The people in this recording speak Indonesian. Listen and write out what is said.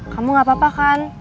kamu gak apa apa kan